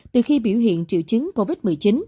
từ khi biểu hiện triệu chứng covid một mươi chín